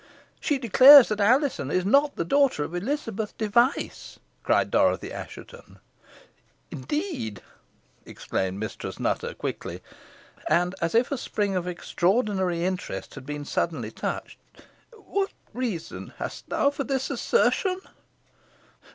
"She declares that Alizon is not the daughter of Elizabeth Device," cried Dorothy Assheton. "Indeed!" exclaimed Mistress Nutter quickly, and as if a spring of extraordinary interest had been suddenly touched. "What reason hast thou for this assertion?"